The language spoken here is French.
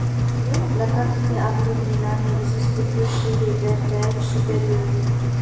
La cavité abdominale n'existe que chez les vertébrés supérieurs.